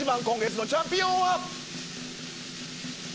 今月のチャンピオンは。